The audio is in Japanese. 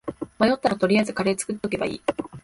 迷ったら取りあえずカレー作っとけばいい